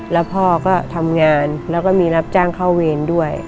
แล้วพ่อก็ทำงานแล้วก็มีรับจ้างเข้าเวรด้วย